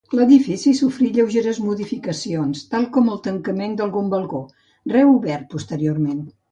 L'edifici sofrí lleugeres modificacions, tal com el tancament d'algun balcó, reobert posteriorment.